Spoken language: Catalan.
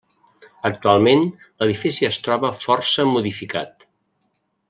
Actualment l'edifici es troba força modificat.